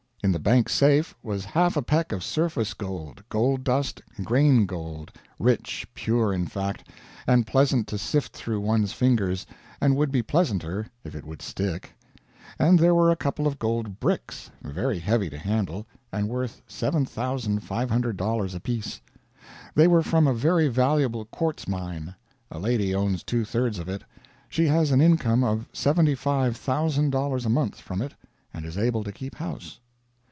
In the bank safe was half a peck of surface gold gold dust, grain gold; rich; pure in fact, and pleasant to sift through one's fingers; and would be pleasanter if it would stick. And there were a couple of gold bricks, very heavy to handle, and worth $7,500 a piece. They were from a very valuable quartz mine; a lady owns two thirds of it; she has an income of $75,000 a month from it, and is able to keep house.